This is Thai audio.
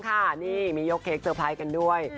ค่ะนี่มียกเค้กเตอร์ไพรส์กันด้วย